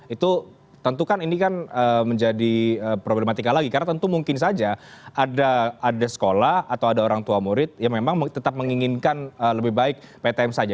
itu tentu kan ini kan menjadi problematika lagi karena tentu mungkin saja ada sekolah atau ada orang tua murid yang memang tetap menginginkan lebih baik ptm saja